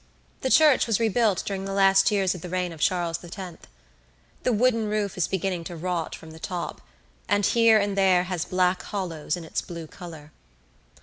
The church was rebuilt during the last years of the reign of Charles X. The wooden roof is beginning to rot from the top, and here and there has black hollows in its blue colour.